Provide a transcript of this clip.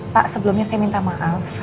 pak sebelumnya saya minta maaf